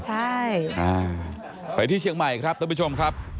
ใช่ไปที่เชียงใหม่ครับท่านผู้ชมครับ